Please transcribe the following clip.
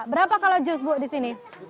berapa kalau jus bu di sini